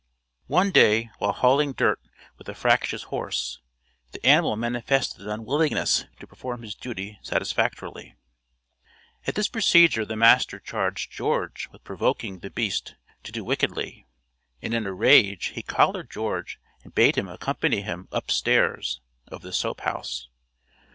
One day, while hauling dirt with a fractious horse, the animal manifested an unwillingness to perform his duty satisfactorily. At this procedure the master charged George with provoking the beast to do wickedly, and in a rage he collared George and bade him accompany him "up stairs" (of the soap house).